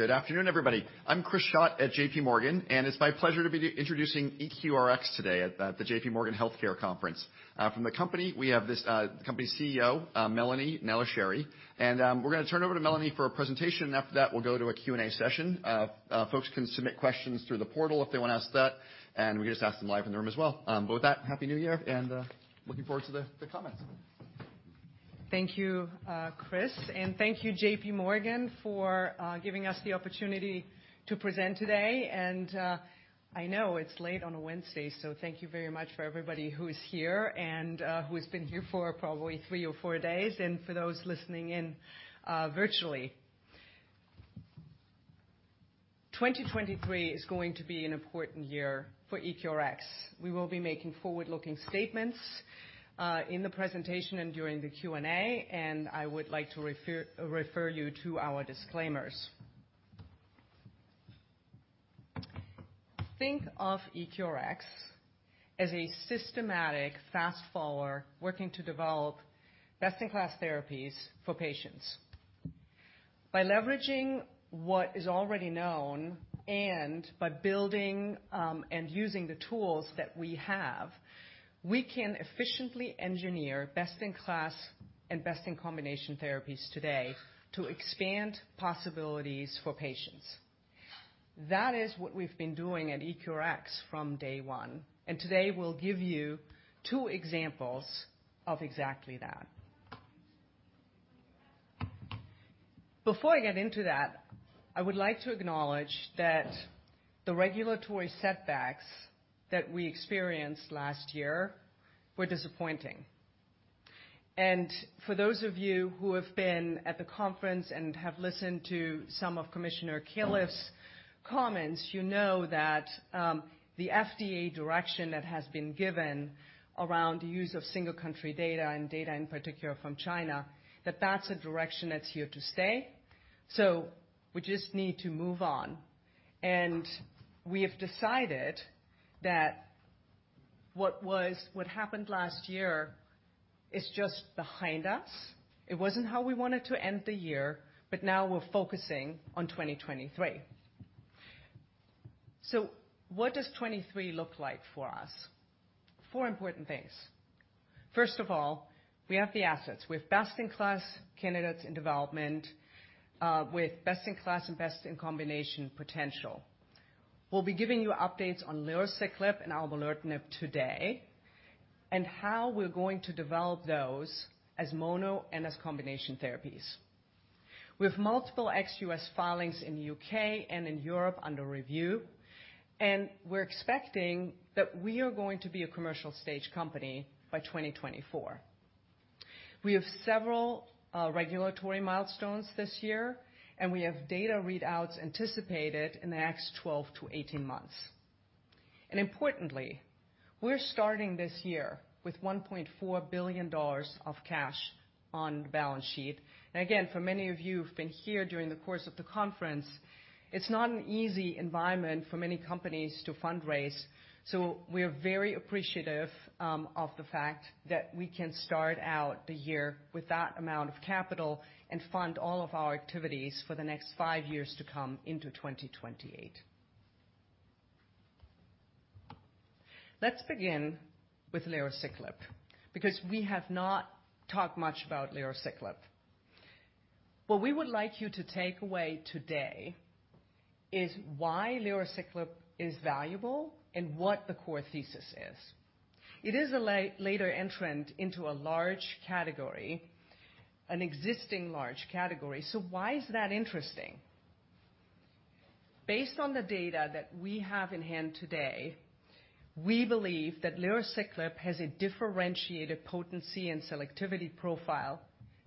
Good afternoon, everybody. I'm Chris Schott at J.P. Morgan, and it's my pleasure to be introducing EQRx today at the J.P. Morgan Healthcare Conference. From the company, we have this, the company CEO, Melanie Nallicheri. We're gonna turn over to Melanie for a presentation. After that, we'll go to a Q&A session. Folks can submit questions through the portal if they wanna ask that, and we just ask them live in the room as well. With that, happy New Year, looking forward to the comments. Thank you, Chris. Thank you, J.P. Morgan, for giving us the opportunity to present today. I know it's late on a Wednesday, so thank you very much for everybody who is here and who has been here for probably three or four days, and for those listening in virtually. 2023 is going to be an important year for EQRx. We will be making forward-looking statements in the presentation and during the Q&A. I would like to refer you to our disclaimers. Think of EQRx as a systematic fast follower working to develop best-in-class therapies for patients. By leveraging what is already known and by building and using the tools that we have, we can efficiently engineer best-in-class and best-in-combination therapies today to expand possibilities for patients. That is what we've been doing at EQRx from day one, today we'll give you two examples of exactly that. Before I get into that, I would like to acknowledge that the regulatory setbacks that we experienced last year were disappointing. For those of you who have been at the conference and have listened to some of Commissioner Califf's comments, you know that, the FDA direction that has been given around the use of single-country data and data in particular from China, that's a direction that's here to stay. We just need to move on. We have decided that what happened last year is just behind us. It wasn't how we wanted to end the year, but now we're focusing on 2023. What does 23 look like for us? Four important things. First of all, we have the assets. We have best-in-class candidates in development, with best-in-class and best-in-combination potential. We'll be giving you updates on lerociclib and aumolertinib today, how we're going to develop those as mono and as combination therapies. We have multiple ex-U.S. filings in U.K. and in Europe under review, We're expecting that we are going to be a commercial stage company by 2024. We have several regulatory milestones this year, We have data readouts anticipated in the next 12 to 18 months. Importantly, we're starting this year with $1.4 billion of cash on the balance sheet. Again, for many of you who've been here during the course of the conference, it's not an easy environment for many companies to fundraise. We're very appreciative of the fact that we can start out the year with that amount of capital and fund all of our activities for the next five years to come into 2028. Let's begin with lerociclib, because we have not talked much about lerociclib. What we would like you to take away today is why lerociclib is valuable and what the core thesis is. It is a later entrant into a large category, an existing large category. Why is that interesting? Based on the data that we have in hand today, we believe that lerociclib has a differentiated potency and selectivity profile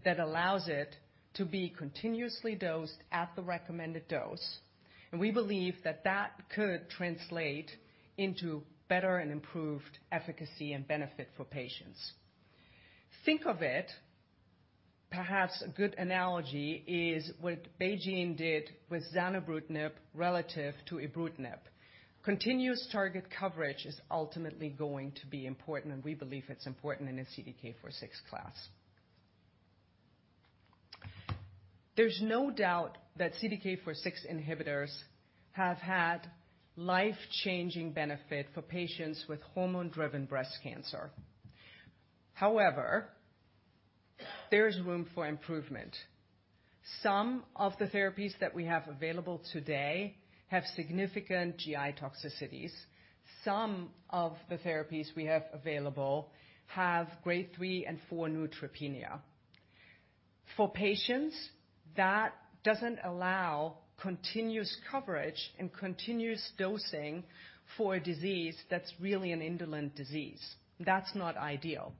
that allows it to be continuously dosed at the recommended dose, and we believe that that could translate into better and improved efficacy and benefit for patients. Think of it, perhaps a good analogy is what BeiGene did with zanubrutinib relative to ibrutinib. Continuous target coverage is ultimately going to be important, and we believe it's important in a CDK4/6 class. There's no doubt that CDK4/6 inhibitors have had life-changing benefit for patients with hormone-driven breast cancer. However, there is room for improvement. Some of the therapies that we have available today have significant GI toxicities. Some of the therapies we have available have grade 3 and 4 neutropenia. For patients, that doesn't allow continuous coverage and continuous dosing for a disease that's really an indolent disease. That's not ideal.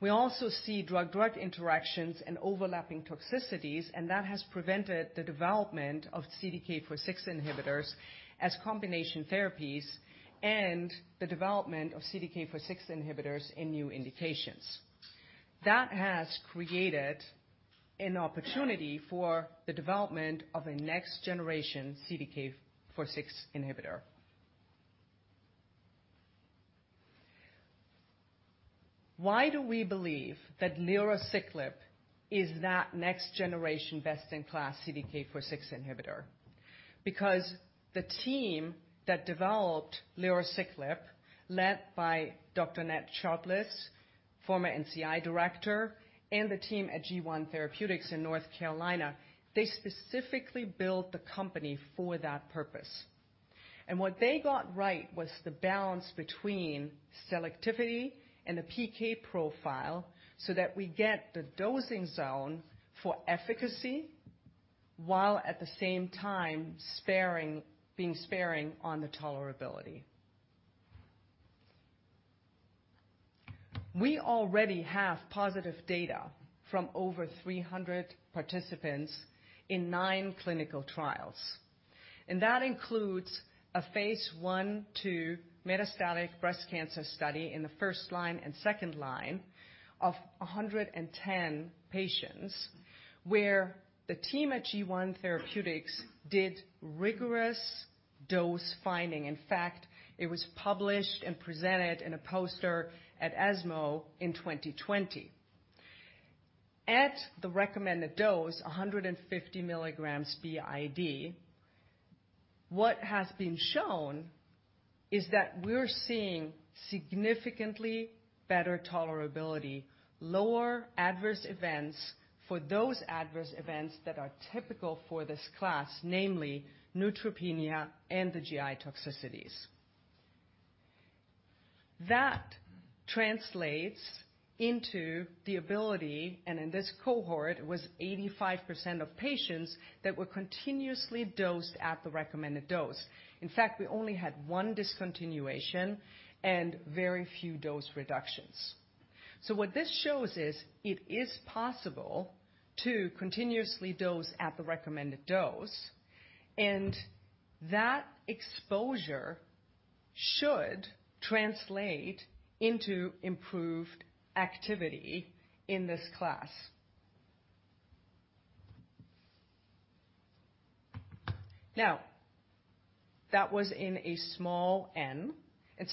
We also see drug-drug interactions and overlapping toxicities, and that has prevented the development of CDK4/6 inhibitors as combination therapies and the development of CDK4/6 inhibitors in new indications. That has created an opportunity for the development of a next-generation CDK4/6 inhibitor. Why do we believe that lerociclib is that next generation best-in-class CDK4/6 inhibitor? The team that developed lerociclib, led by Dr. Ned Sharpless, former National Cancer Institute Director, and the team at G1 Therapeutics in North Carolina, they specifically built the company for that purpose. What they got right was the balance between selectivity and the PK profile, so that we get the dosing zone for efficacy, while at the same time sparing on the tolerability. We already have positive data from over 300 participants in 9 clinical trials. That includes a phase I to metastatic breast cancer study in the first line and second line of 110 patients, where the team at G1 Therapeutics did rigorous dose finding. In fact, it was published and presented in a poster at ESMO in 2020. At the recommended dose, 150 milligrams BID, what has been shown is that we're seeing significantly better tolerability, lower adverse events for those adverse events that are typical for this class, namely neutropenia and the GI toxicities. That translates into the ability, and in this cohort, it was 85% of patients that were continuously dosed at the recommended dose. In fact, we only had one discontinuation and very few dose reductions. What this shows is it is possible to continuously dose at the recommended dose, and that exposure should translate into improved activity in this class. That was in a small N,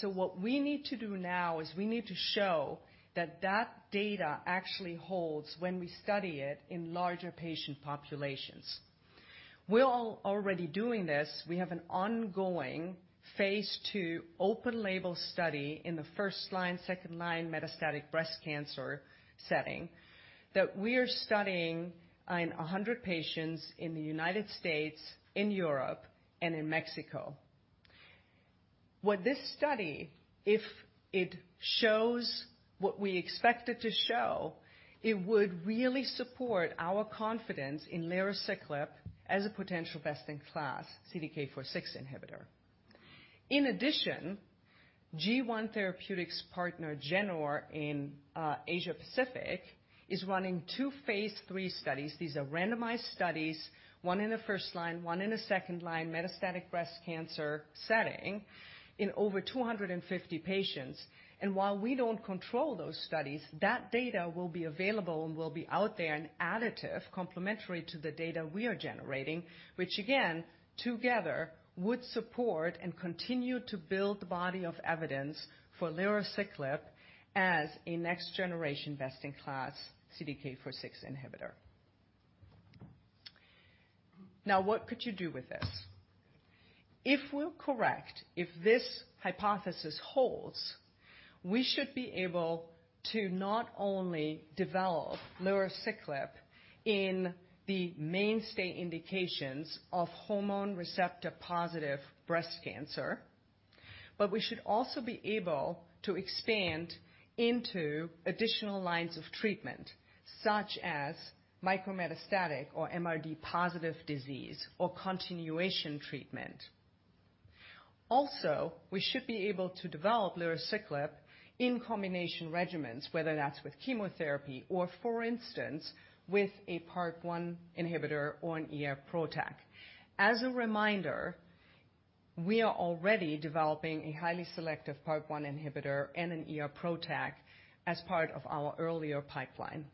what we need to do now is we need to show that that data actually holds when we study it in larger patient populations. We're already doing this. We have an ongoing phase II open-label study in the first-line, second-line metastatic breast cancer setting that we are studying in 100 patients in the United States, in Europe, and in Mexico. What this study, if it shows what we expect it to show, it would really support our confidence in lerociclib as a potential best-in-class CDK4/6 inhibitor. In addition, G1 Therapeutics partner, Genor Biopharma, in Asia-Pacific, is running two phase III studies. These are randomized studies, one in the first-line, one in the second-line, metastatic breast cancer setting in over 250 patients. While we don't control those studies, that data will be available and will be out there and additive complimentary to the data we are generating, which again, together would support and continue to build the body of evidence for lerociclib as a next generation best-in-class CDK4/6 inhibitor. What could you do with this? If we're correct, if this hypothesis holds, we should be able to not only develop lerociclib in the mainstay indications of hormone receptor-positive breast cancer, but we should also be able to expand into additional lines of treatment such as micrometastatic or MRD positive disease or continuation treatment. We should be able to develop lerociclib in combination regimens, whether that's with chemotherapy or for instance, with a PARP1 inhibitor or an ER PROTAC. As a reminder, we are already developing a highly selective PARP1 inhibitor and an ER PROTAC as part of our earlier pipeline.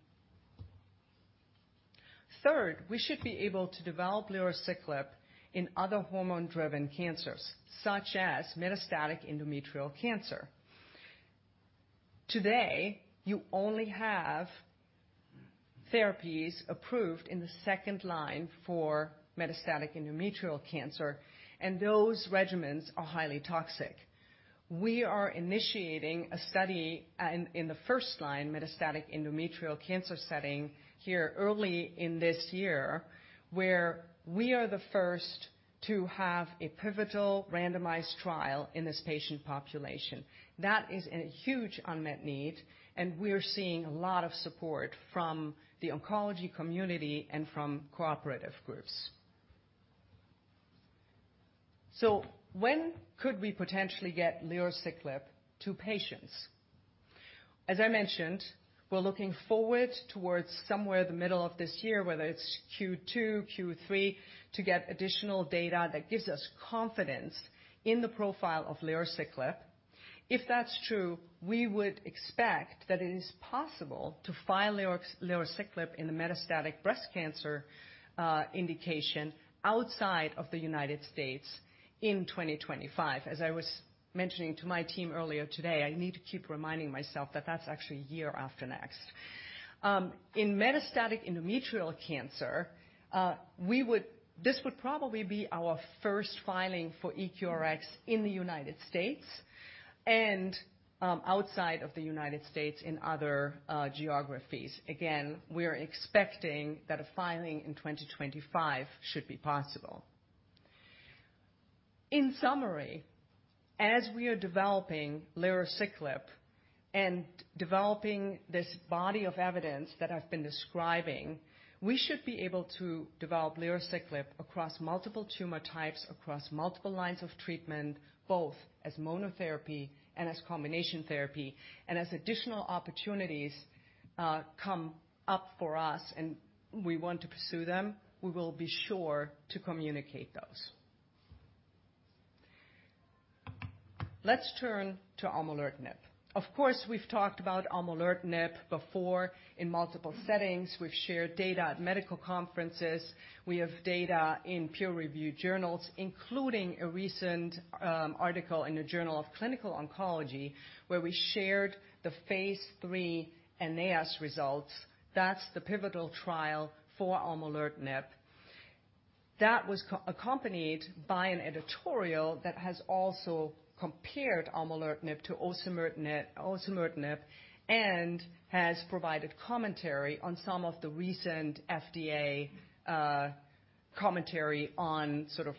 We should be able to develop lerociclib in other hormone-driven cancers such as metastatic endometrial cancer. Today, you only have therapies approved in the second line for metastatic endometrial cancer, those regimens are highly toxic. We are initiating a study in the first line, metastatic endometrial cancer setting here early in this year, where we are the first to have a pivotal randomized trial in this patient population. That is a huge unmet need, we're seeing a lot of support from the oncology community and from cooperative groups. When could we potentially get lerociclib to patients? As I mentioned, we're looking forward towards somewhere in the middle of this year, whether it's Q2, Q3, to get additional data that gives us confidence in the profile of lerociclib. If that's true. We would expect that it is possible to file lerociclib in the metastatic breast cancer indication outside of the United States in 2025. As I was mentioning to my team earlier today, I need to keep reminding myself that that's actually a year after next. In metastatic endometrial cancer, this would probably be our first filing for EQRx in the United States and outside of the United States in other geographies. Again, we are expecting that a filing in 2025 should be possible. In summary, as we are developing lerociclib and developing this body of evidence that I've been describing, we should be able to develop lerociclib across multiple tumor types, across multiple lines of treatment, both as monotherapy and as combination therapy. As additional opportunities come up for us and we want to pursue them, we will be sure to communicate those. Let's turn to aumolertinib. Of course, we've talked about aumolertinib before in multiple settings. We've shared data at medical conferences. We have data in peer review journals, including a recent article in the Journal of Clinical Oncology, where we shared the phase III AENEAS results. That's the pivotal trial for aumolertinib. That was accompanied by an editorial that has also compared aumolertinib to osimertinib and has provided commentary on some of the recent FDA commentary on sort of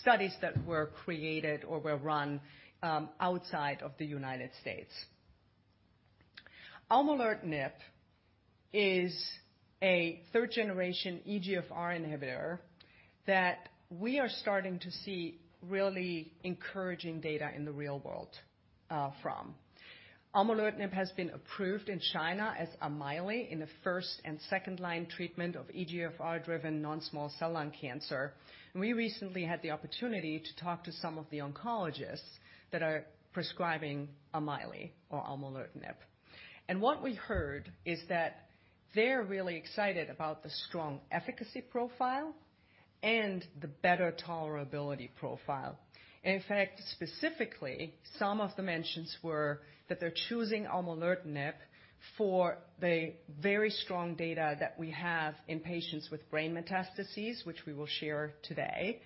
studies that were created or were run outside of the United States. Aumolertinib is a third-generation EGFR inhibitor that we are starting to see really encouraging data in the real world from. Aumolertinib has been approved in China as Ameile in the first and second-line treatment of EGFR-driven non-small cell lung cancer. We recently had the opportunity to talk to some of the oncologists that are prescribing Ameile or aumolertinib. What we heard is that they're really excited about the strong efficacy profile and the better tolerability profile. In fact, specifically, some of the mentions were that they're choosing aumolertinib for the very strong data that we have in patients with brain metastases, which we will share today.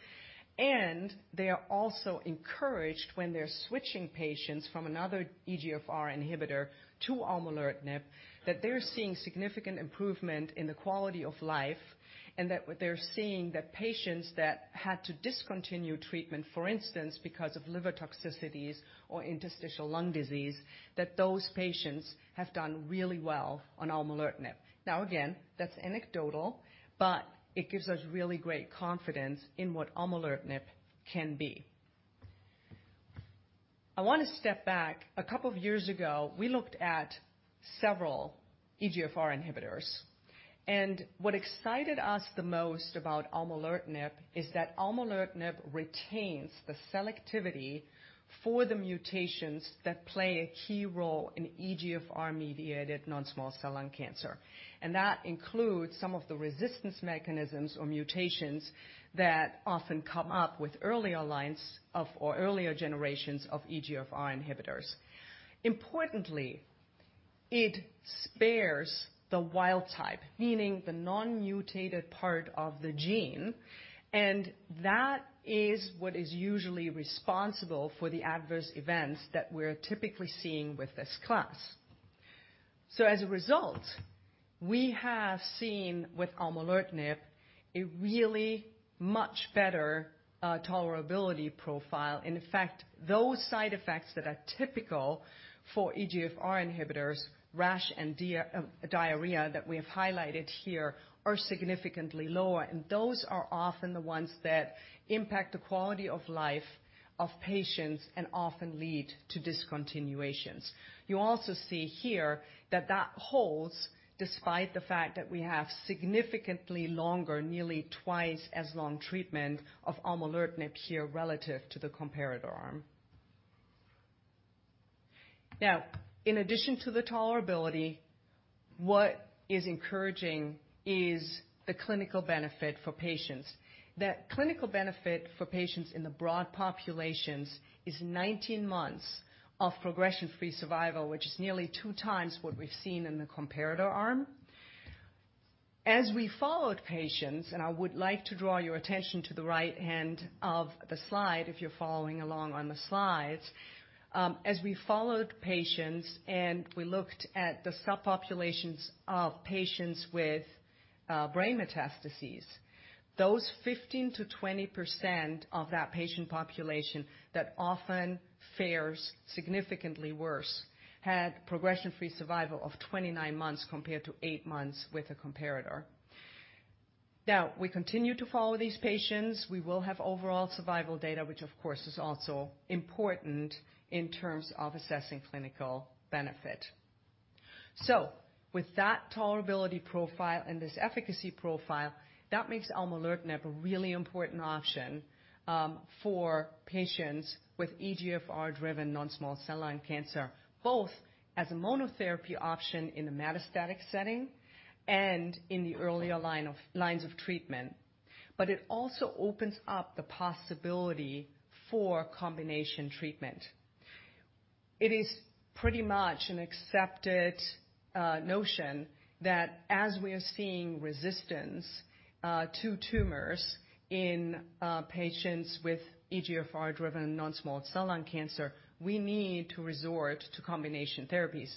They are also encouraged when they're switching patients from another EGFR inhibitor to aumolertinib, that they're seeing significant improvement in the quality of life, and that they're seeing that patients that had to discontinue treatment, for instance, because of liver toxicities or interstitial lung disease, that those patients have done really well on aumolertinib. Now again, that's anecdotal, but it gives us really great confidence in what aumolertinib can be. I want to step back. A couple of years ago, we looked at several EGFR inhibitors, and what excited us the most about aumolertinib is that aumolertinib retains the selectivity for the mutations that play a key role in EGFR-mediated non-small cell lung cancer. That includes some of the resistance mechanisms or mutations that often come up with earlier generations of EGFR inhibitors. Importantly, it spares the wild-type, meaning the non-mutated part of the gene, and that is what is usually responsible for the adverse events that we're typically seeing with this class. As a result, we have seen with aumolertinib a really much better tolerability profile. In fact, those side effects that are typical for EGFR inhibitors, rash and diarrhea that we have highlighted here, are significantly lower, and those are often the ones that impact the quality of life of patients and often lead to discontinuations. You also see here that that holds despite the fact that we have significantly longer, nearly twice as long treatment of aumolertinib here relative to the comparator arm. In addition to the tolerability, what is encouraging is the clinical benefit for patients. That clinical benefit for patients in the broad populations is 19 months of progression-free survival, which is nearly 2x what we've seen in the comparator arm. As we followed patients, I would like to draw your attention to the right hand of the slide if you're following along on the slides. As we followed patients and we looked at the subpopulations of patients with brain metastases, those 15% to 20% of that patient population that often fares significantly worse had progression-free survival of 29 months compared to eight months with a comparator. We continue to follow these patients. We will have overall survival data, which of course is also important in terms of assessing clinical benefit. With that tolerability profile and this efficacy profile, that makes aumolertinib a really important option for patients with EGFR-driven non-small cell lung cancer, both as a monotherapy option in the metastatic setting and in the earlier lines of treatment. It also opens up the possibility for combination treatment. It is pretty much an accepted notion that as we are seeing resistance to tumors in patients with EGFR-driven non-small cell lung cancer, we need to resort to combination therapies.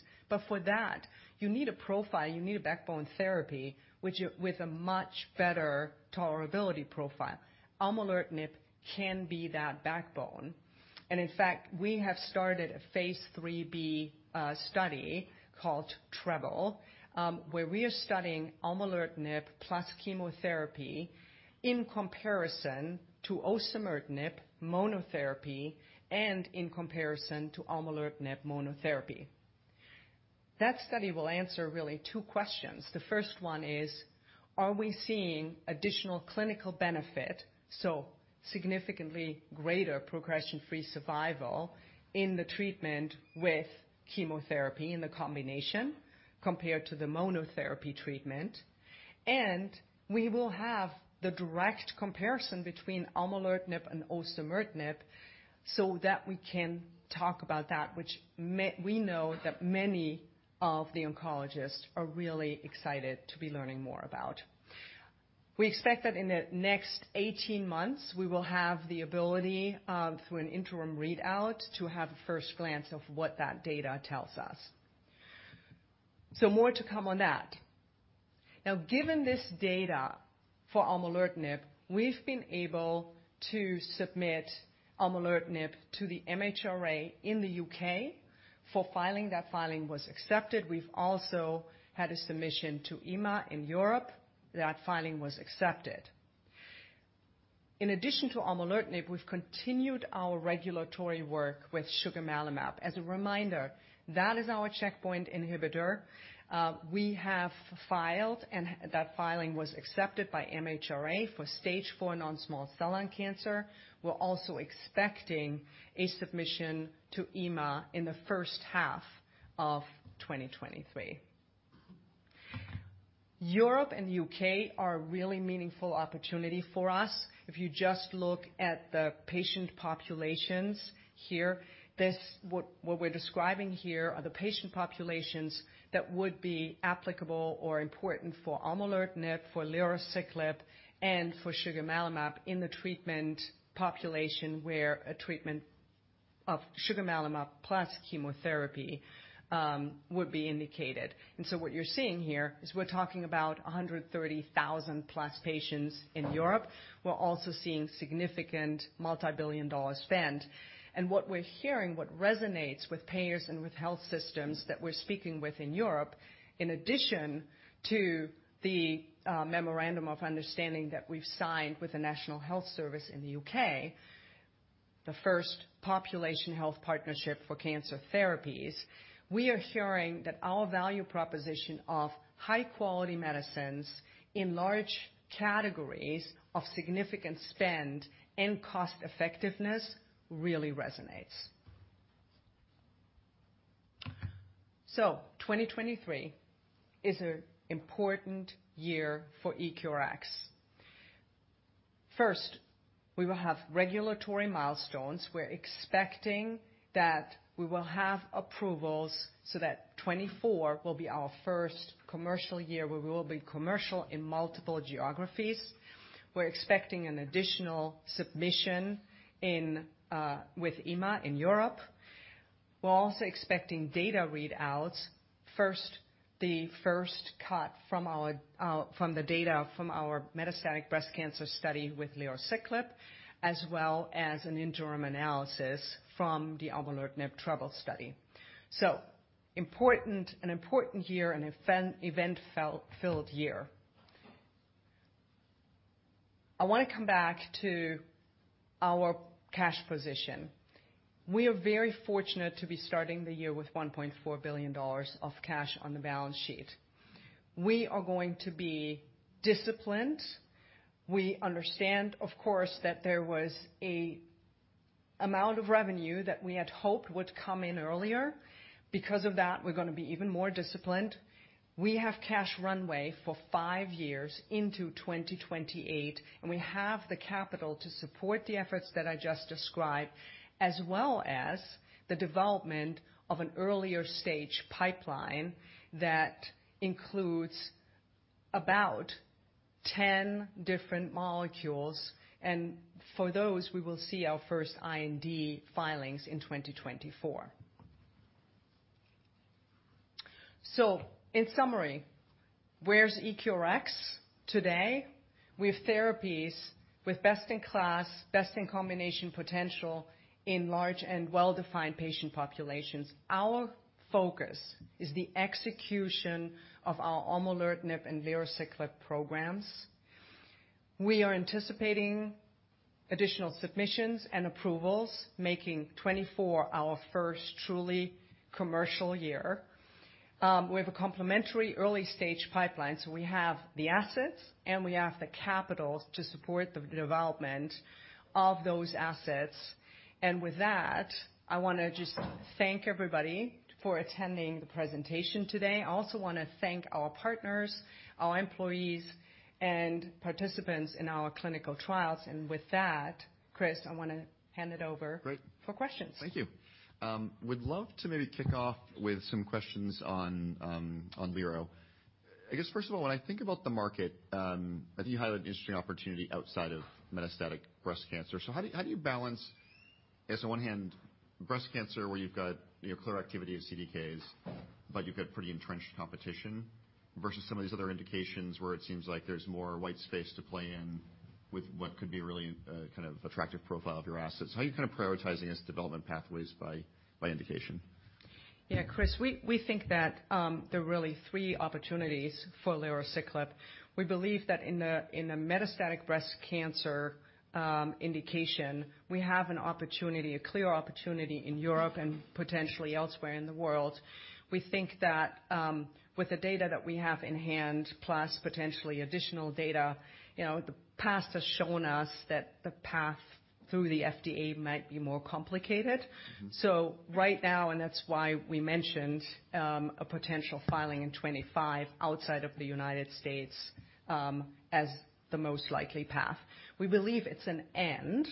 For that you need a profile, you need a backbone therapy with a much better tolerability profile. Aumolertinib can be that backbone. In fact, we have started a phase IIIb study called TREBLE, where we are studying aumolertinib plus chemotherapy in comparison to osimertinib monotherapy and in comparison to aumolertinib monotherapy. That study will answer really two questions. The first one is, are we seeing additional clinical benefit, so significantly greater progression-free survival in the treatment with chemotherapy in the combination compared to the monotherapy treatment. We will have the direct comparison between aumolertinib and osimertinib so that we can talk about that which we know that many of the oncologists are really excited to be learning more about. We expect that in the next 18 months we will have the ability, through an interim readout, to have a first glance of what that data tells us. More to come on that. Given this data for aumolertinib, we've been able to submit aumolertinib to the MHRA in the U.K. for filing. That filing was accepted. We've also had a submission to EMA in Europe. That filing was accepted. In addition to aumolertinib, we've continued our regulatory work with sugemalimab. As a reminder, that is our checkpoint inhibitor. We have filed, and that filing was accepted by MHRA for Stage IV non-small cell lung cancer. We're also expecting a submission to EMA in the first half of 2023. Europe and U.K. are a really meaningful opportunity for us. If you just look at the patient populations here, what we're describing here are the patient populations that would be applicable or important for aumolertinib, for lerociclib, and for sugemalimab in the treatment population where a treatment of sugemalimab plus chemotherapy would be indicated. What you're seeing here is we're talking about 130,000+ patients in Europe. We're also seeing significant $multi-billion spend. What we're hearing, what resonates with payers and with health systems that we're speaking with in Europe, in addition to the memorandum of understanding that we've signed with the National Health Service in the U.K., the first population health partnership for cancer therapies, we are hearing that our value proposition of high quality medicines in large categories of significant spend and cost effectiveness really resonates. 2023 is a important year for EQRx. First, we will have regulatory milestones. We're expecting that we will have approvals so that 2024 will be our first commercial year, where we will be commercial in multiple geographies. We're expecting an additional submission with EMA in Europe. We're also expecting data readouts, first, the first cut from the data from our metastatic breast cancer study with lerociclib, as well as an interim analysis from the aumolertinib TREBLE study. An important year, an event-filled year. I wanna come back to our cash position. We are very fortunate to be starting the year with $1.4 billion of cash on the balance sheet. We are going to be disciplined. We understand, of course, that there was a amount of revenue that we had hoped would come in earlier. Because of that, we're gonna be even more disciplined. We have cash runway for five years into 2028, we have the capital to support the efforts that I just described, as well as the development of an earlier stage pipeline that includes about 10 different molecules. For those, we will see our first IND filings in 2024. In summary, where's EQRx today? We have therapies with best-in-class, best-in-combination potential in large and well-defined patient populations. Our focus is the execution of our aumolertinib and lerociclib programs. We are anticipating additional submissions and approvals, making 2024 our first truly commercial year. We have a complementary early-stage pipeline, so we have the assets, and we have the capitals to support the development of those assets. With that, I wanna just thank everybody for attending the presentation today. I also wanna thank our partners, our employees and participants in our clinical trials. With that, Chris, I wanna hand it over. Great. For questions. Thank you. would love to maybe kick off with some questions on on lerociclib. I guess first of all, when I think about the market, I think you have an interesting opportunity outside of metastatic breast cancer. How do you balance, I guess on one hand, breast cancer, where you've got, you know, clear activity of CDKs, but you've got pretty entrenched competition versus some of these other indications where it seems like there's more white space to play in with what could be really kind of attractive profile of your assets. How are you kind of prioritizing this development pathways by indication? Yeah, Chris, we think that there are really three opportunities for lerociclib. We believe that in the metastatic breast cancer indication, we have an opportunity, a clear opportunity in Europe and potentially elsewhere in the world. We think that, with the data that we have in hand, plus potentially additional data, you know, the past has shown us that the path through the FDA might be more complicated. Right now, and that's why we mentioned, a potential filing in 25 outside of the United States, as the most likely path. We believe it's an end.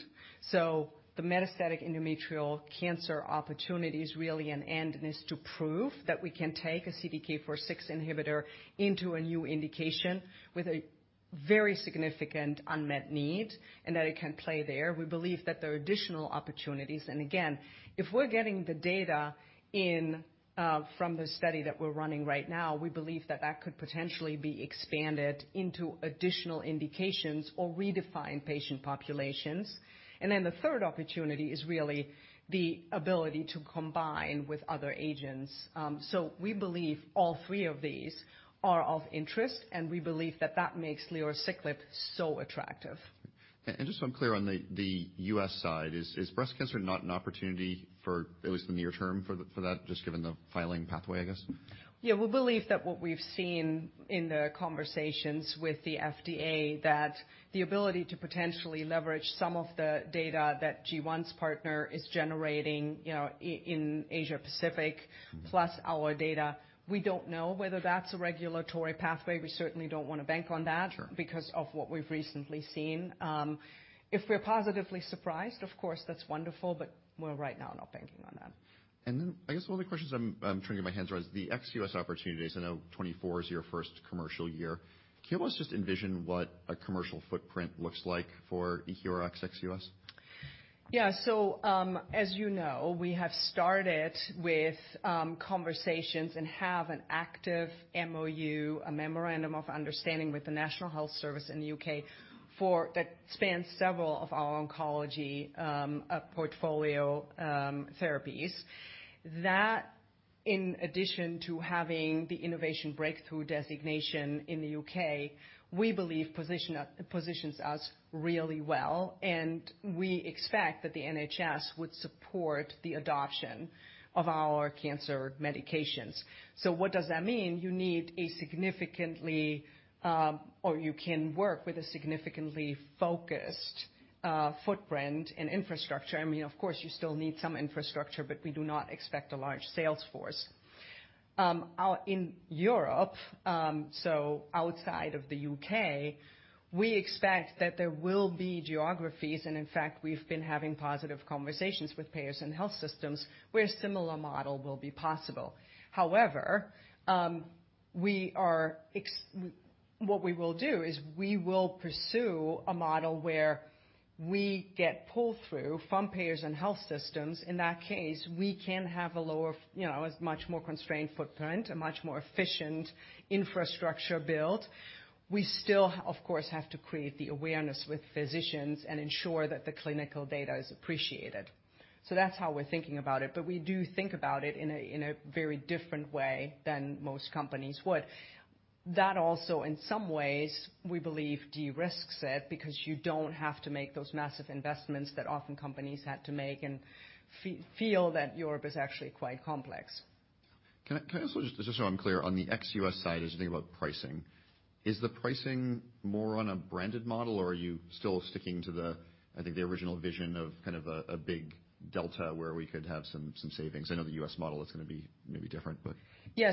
The metastatic endometrial cancer opportunity is really an and, is to prove that we can take a CDK4/6 inhibitor into a new indication with a very significant unmet need, and that it can play there. We believe that there are additional opportunities. Again, if we're getting the data in from the study that we're running right now, we believe that that could potentially be expanded into additional indications or redefine patient populations. Then the third opportunity is really the ability to combine with other agents. We believe all three of these are of interest, and we believe that that makes lerociclib so attractive. Just so I'm clear on the U.S. side, is breast cancer not an opportunity for at least the near term for that, just given the filing pathway, I guess? Yeah. We believe that what we've seen in the conversations with the FDA, that the ability to potentially leverage some of the data that G1 Therapeutics's partner is generating, you know, in Asia-Pacific. Our data, we don't know whether that's a regulatory pathway. We certainly don't wanna bank on that. Because of what we've recently seen. If we're positively surprised, of course that's wonderful, but we're right now not banking on that. I guess one of the questions I'm turning my hands around is the ex-U.S. opportunities. I know 2024 is your first commercial year. Can you help us just envision what a commercial footprint looks like for EQRx ex-U.S.? Yeah. As you know, we have started with conversations and have an active MOU, a memorandum of understanding with the National Health Service in the U.K. for that spans several of our oncology portfolio therapies. That in addition to having the innovation breakthrough designation in the U.K., we believe positions us really well, and we expect that the NHS would support the adoption of our cancer medications. What does that mean? You need a significantly, or you can work with a significantly focused footprint and infrastructure. I mean, of course you still need some infrastructure, but we do not expect a large sales force. Out in Europe, outside of the U.K., we expect that there will be geographies, and in fact we've been having positive conversations with payers and health systems where a similar model will be possible. However, what we will do is we will pursue a model where we get pull through from payers and health systems. In that case, we can have a lower, you know, a much more constrained footprint, a much more efficient infrastructure build. We still of course have to create the awareness with physicians and ensure that the clinical data is appreciated. That's how we're thinking about it, but we do think about it in a, in a very different way than most companies would. That also in some ways, we believe de-risks it because you don't have to make those massive investments that often companies had to make and feel that Europe is actually quite complex. Can I also just so I'm clear on the ex-U.S. side, as you think about pricing, is the pricing more on a branded model or are you still sticking to the, I think, the original vision of kind of a big delta where we could have some savings? I know the U.S. model is gonna be maybe different, but. Yeah.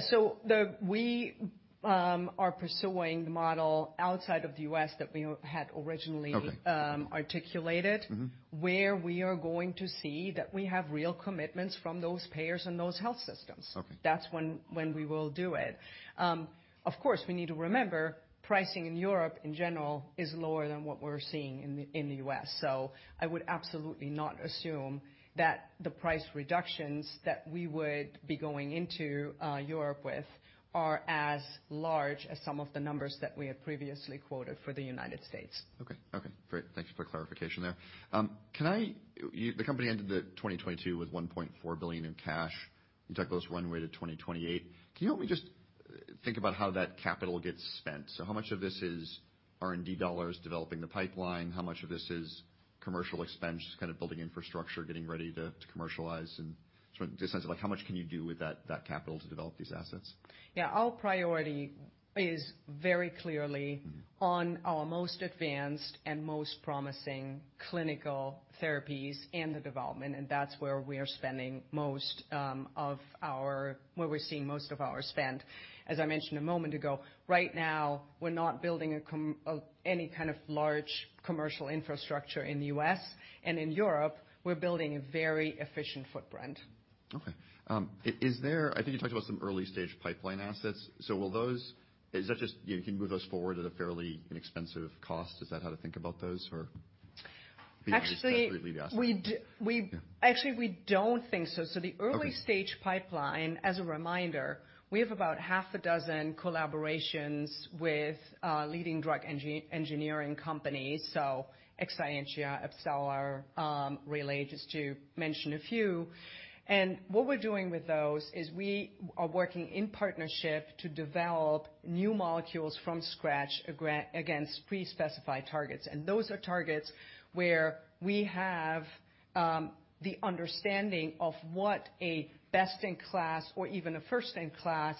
We are pursuing the model outside of the U.S. that we had originally. Okay. Articulated. Where we are going to see that we have real commitments from those payers and those health systems. Okay. That's when we will do it. Of course, we need to remember, pricing in Europe in general is lower than what we're seeing in the U.S.. I would absolutely not assume that the price reductions that we would be going into Europe with are as large as some of the numbers that we had previously quoted for the United States. Okay. Okay, great. Thank you for clarification there. The company ended 2022 with $1.4 billion in cash. You talk about this runway to 2028. Can you help me think about how that capital gets spent? How much of this is R&D dollars developing the pipeline? How much of this is commercial expense, just kind of building infrastructure, getting ready to commercialize and just sort of get a sense of like how much can you do with that capital to develop these assets? Yeah. Our priority is very on our most advanced and most promising clinical therapies and the development, and that's where we are seeing most of our spend. As I mentioned a moment ago, right now we're not building any kind of large commercial infrastructure in the U.S. In Europe, we're building a very efficient footprint. Okay. I think you talked about some early-stage pipeline assets. Is that just, you know, can move us forward at a fairly inexpensive cost? Is that how to think about those or? Actually, we. Actually, we don't think so. Okay. The early-stage pipeline, as a reminder, we have about half a dozen collaborations with leading drug engineering companies, Exscientia, AbCellera, Relay, just to mention a few. What we're doing with those is we are working in partnership to develop new molecules from scratch against pre-specified targets. Those are targets where we have the understanding of what a best-in-class or even a first-in-class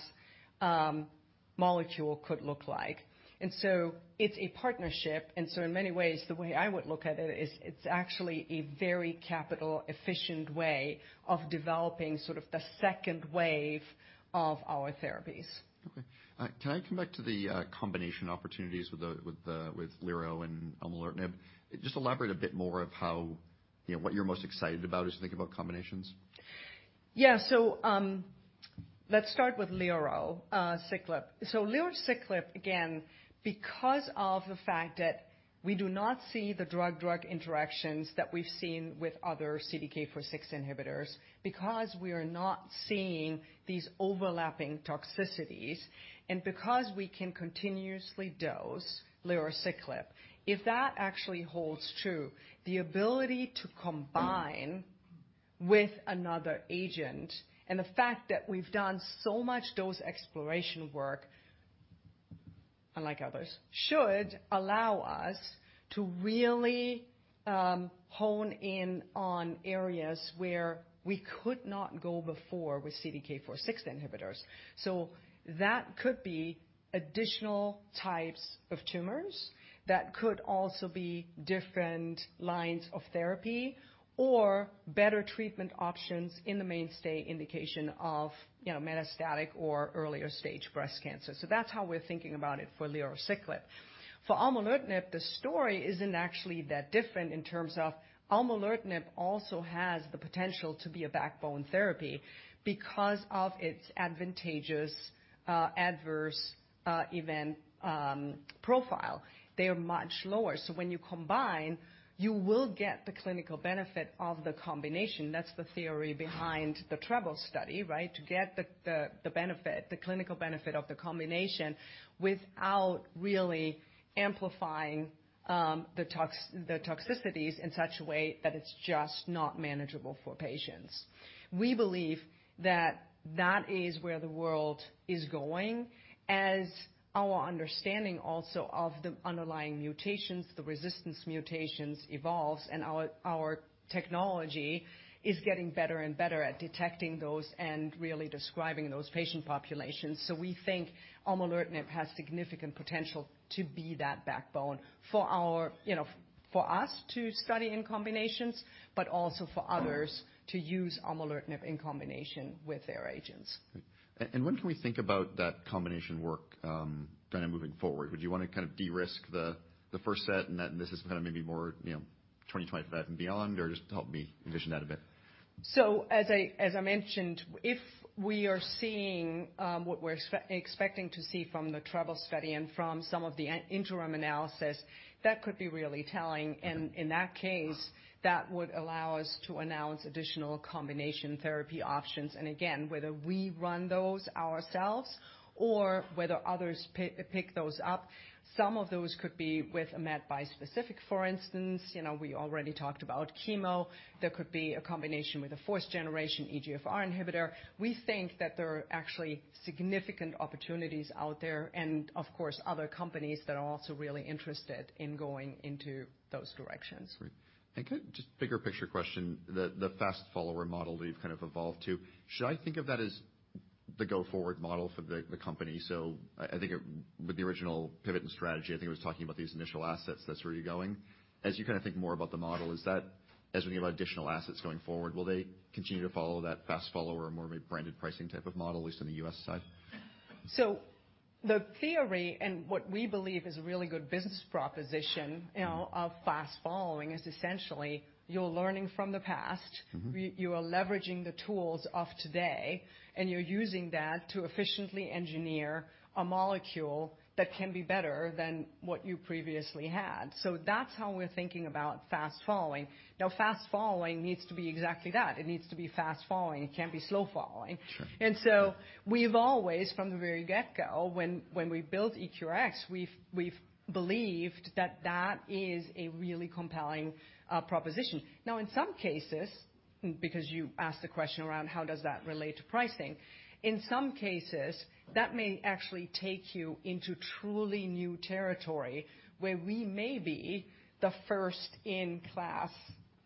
molecule could look like. It's a partnership, and so in many ways, the way I would look at it is it's actually a very capital efficient way of developing sort of the second wave of our therapies. Okay. Can I come back to the combination opportunities with lerociclib and aumolertinib? Just elaborate a bit more of how, you know, what you're most excited about as you think about combinations? Yeah. Let's start with lerociclib. Lerociclib, again, because of the fact that we do not see the drug-drug interactions that we've seen with other CDK4/6 inhibitors, because we are not seeing these overlapping toxicities, and because we can continuously dose lerociclib, if that actually holds true, the ability to combine with another agent and the fact that we've done so much dose exploration work, unlike others, should allow us to really hone in on areas where we could not go before with CDK4/6 inhibitors. That could be additional types of tumors. That could also be different lines of therapy or better treatment options in the mainstay indication of, you know, metastatic or earlier stage breast cancer. That's how we're thinking about it for lerociclib. For aumolertinib, the story isn't actually that different in terms of aumolertinib also has the potential to be a backbone therapy because of its advantageous adverse event profile. They are much lower. When you combine, you will get the clinical benefit of the combination. That's the theory behind the TREBLE study, right? To get the benefit, the clinical benefit of the combination without really amplifying the toxicities in such a way that it's just not manageable for patients. We believe that that is where the world is going as our understanding also of the underlying mutations, the resistance mutations evolves and our technology is getting better and better at detecting those and really describing those patient populations. We think aumolertinib has significant potential to be that backbone for our, you know, for us to study in combinations, but also for others to use aumolertinib in combination with their agents. When can we think about that combination work, kind of moving forward? Would you wanna kind of de-risk the first set and that, and this is kind of maybe more, you know, 2025 and beyond? Or just help me envision that a bit. As I mentioned, if we are seeing what we're expecting to see from the TREBLE study and from some of the interim analysis, that could be really telling. In that case, that would allow us to announce additional combination therapy options. Again, whether we run those ourselves or whether others pick those up, some of those could be with a MET bispecific, for instance. You know, we already talked about chemo. There could be a combination with a fourth-generation EGFR inhibitor. We think that there are actually significant opportunities out there and, of course, other companies that are also really interested in going into those directions. Great. Just bigger picture question, the fast follower model that you've kind of evolved to, should I think of that as the go-forward model for the company? I think, with the original pivot and strategy, I think it was talking about these initial assets, that's where you're going. As you kind of think more about the model, is that as we think about additional assets going forward, will they continue to follow that fast follower or more maybe branded pricing type of model, at least on the U.S. side? The theory and what we believe is a really good business proposition, you know, of fast following is essentially you're learning from the past. You are leveraging the tools of today, and you're using that to efficiently engineer a molecule that can be better than what you previously had. That's how we're thinking about fast following. Now, fast following needs to be exactly that. It needs to be fast following. It can't be slow following. Sure. We've always, from the very get-go, when we built EQRx, we've believed that that is a really compelling proposition. Now, in some cases, because you asked the question around how does that relate to pricing, in some cases, that may actually take you into truly new territory where we may be the first-in-class,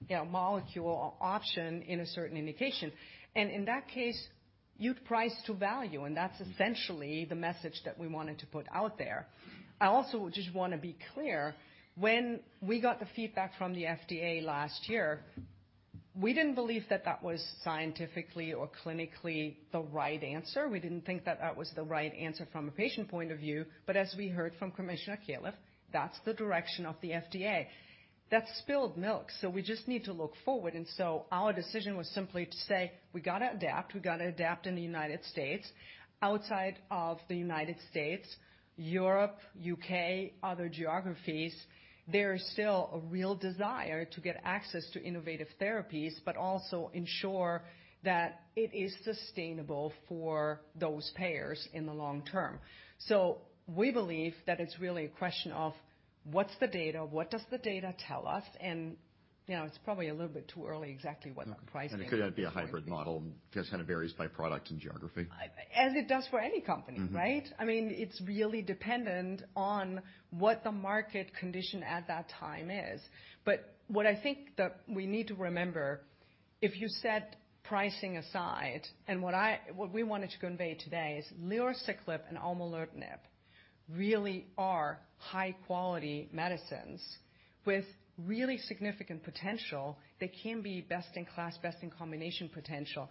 you know, molecule or option in a certain indication. You'd price to value, and that's essentially the message that we wanted to put out there. I also just wanna be clear, when we got the feedback from the FDA last year, we didn't believe that that was scientifically or clinically the right answer. We didn't think that that was the right answer from a patient point of view. As we heard from Commissioner Califf, that's the direction of the FDA. That's spilled milk. We just need to look forward. Our decision was simply to say, we gotta adapt, we gotta adapt in the United States. Outside of the United States, Europe, U.K., other geographies, there is still a real desire to get access to innovative therapies, but also ensure that it is sustainable for those payers in the long term. We believe that it's really a question of what's the data? What does the data tell us? You know, it's probably a little bit too early exactly what the pricing is going to be. It could be a hybrid model just kinda varies by product and geography. As it does for any company, right? I mean, it's really dependent on what the market condition at that time is. What I think that we need to remember, if you set pricing aside, what we wanted to convey today is lerociclib and aumolertinib really are high-quality medicines with really significant potential that can be best in class, best in combination potential.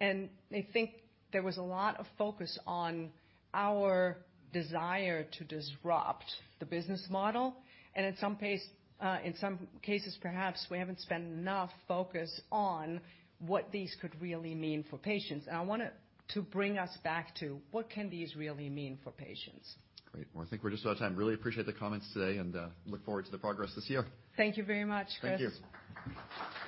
I think there was a lot of focus on our desire to disrupt the business model, and at some pace, in some cases perhaps we haven't spent enough focus on what these could really mean for patients. I wanted to bring us back to what can these really mean for patients. Great. Well, I think we're just out of time. Really appreciate the comments today. Look forward to the progress this year. Thank you very much, Chris. Thank you.